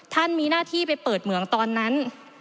มีหน้าที่ไปเปิดเหมืองตอนนั้น